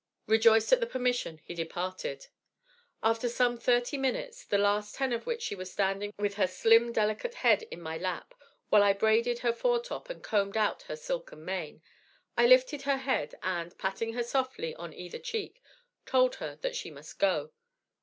Rejoiced at the permission, he departed. After some thirty minutes, the last ten of which she was standing with her slim, delicate head in my lap, while I braided her foretop and combed out her silken mane, I lifted her head, and, patting her softly on either cheek, told her that she must 'go.'